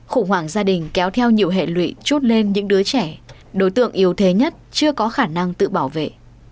khủng hoảng gia đình kéo theo nhiều hệ lụy chút lên những đứa trẻ đối tượng yếu thế nhất chưa có khả năng tự bảo vệ